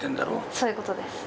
そういうことです。